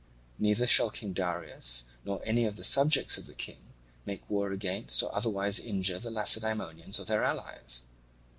Neither shall King Darius nor any of the subjects of the King make war against or otherwise injure the Lacedaemonians or their allies.